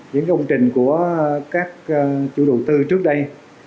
những công trình của các chủ đầu tư trước đây